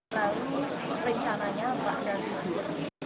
lalu rencananya berada di sini